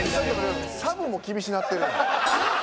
サブも厳しなってるやん。